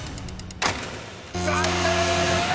［残念！］